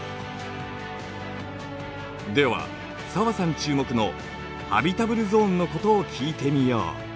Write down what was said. では紗和さん注目のハビタブルゾーンのことを聞いてみよう。